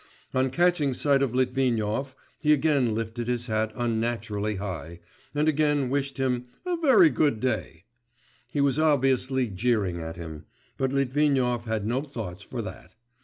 On catching sight of Litvinov, he again lifted his hat unnaturally high, and again wished him 'a very good day'; he was obviously jeering at him, but Litvinov had no thoughts for that.